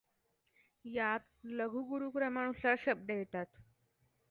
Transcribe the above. यात लघुगुरूक्रमानुसार शब्द येतात.